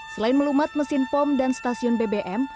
selain melumat mesin pom dan stasiun bbm